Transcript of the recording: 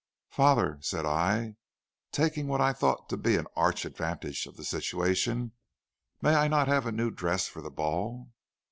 "'Father,' said I, taking what I thought to be an arch advantage of the situation; 'may I not have a new dress for the ball?'